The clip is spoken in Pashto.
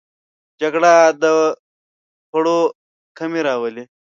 جګړه د خوړو کمی راولي